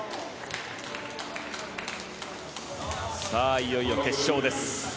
いよいよ決勝です。